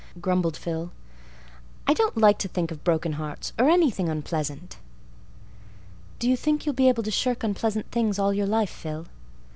grumbled Phil. "I don't like to think of broken hearts—or anything unpleasant." "Do you think you'll be able to shirk unpleasant things all your life, Phil?"